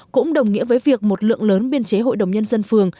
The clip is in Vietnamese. cũng đồng nghĩa với việc một lượng lớn biên chế hội đồng nhân dân phường